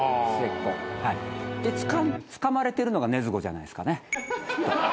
末っ子。でつかまれてるのが禰豆子じゃないですかね。